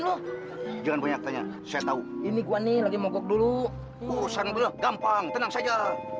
loh jangan banyak tanya saya tahu ini gua nih lagi mogok dulu sangat berat gampang tenang saja